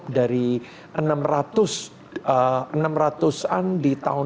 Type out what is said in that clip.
pertama bioskop dari enam ratus an di tahun dua ribu delapan